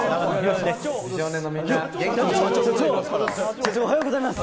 社長、おはようございます。